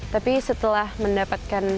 tapi setelah mendapatkan